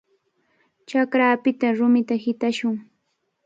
Chakrapita rumita hitashun.